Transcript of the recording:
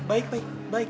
baik baik baik